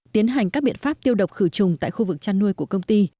tiến hành các biện pháp tiêu độc khử trùng tại khu vực chăn nuôi của công ty